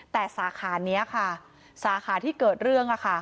แต่สาขานี้ค่ะสาขาที่เกิดเรื่อง